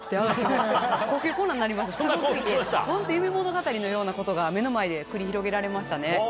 すご過ぎてホント夢物語のようなことが目の前で繰り広げられましたね。